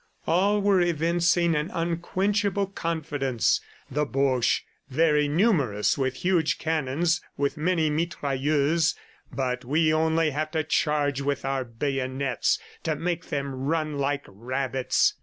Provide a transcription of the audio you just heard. All were evincing an unquenchable confidence. "The Boches! very numerous, with huge cannons, with many mitrailleuse ... but we only have to charge with our bayonets to make them run like rabbits!"